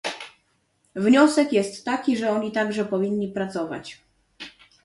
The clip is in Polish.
Wniosek jest taki, że oni także powinni pracować